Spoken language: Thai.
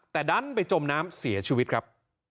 แต่ดันไปจมน้ำเสียชีวิตครับ